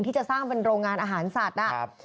ที่จะสร้างเป็นโรงงานอาหารสัตว์